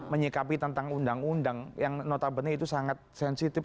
menyikapi tentang undang undang yang notabene itu sangat sensitif